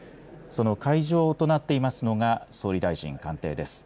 その会場となっていますのが総理大臣官邸です。